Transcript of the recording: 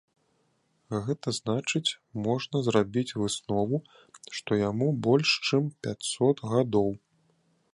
Гэта значыць можна зрабіць выснову, што яму больш чым пяцісот гадоў.